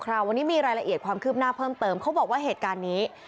คราวนี้มีรายละเอียดความคืบหน้าเพิ่มเติมเขาบอกว่าเหตุการณ์นี้